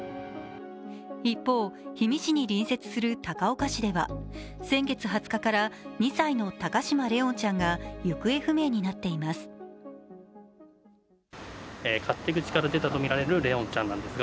一方、氷見市に隣接する高岡市では先月２０日から２歳の高嶋怜音ちゃんが行方不明になっています。